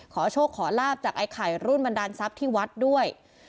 ขอโชคขอลาบจากไอ้ไข่รุ่นบันดาลทรัพย์ที่วัดด้วย